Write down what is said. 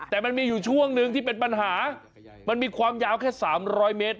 แต่มันมีอยู่ช่วงหนึ่งที่เป็นปัญหามันมีความยาวแค่๓๐๐เมตร